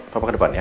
papa ke depan ya